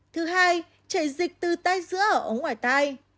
thứ hai chảy dịch từ tai dữa ở ống ngoài tai